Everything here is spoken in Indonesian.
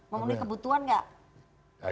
memenuhi kebutuhan gak